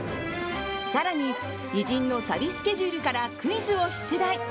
更に偉人の旅スケジュールからクイズを出題。